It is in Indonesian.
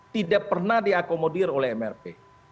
tidak pernah diakomodir oleh mrp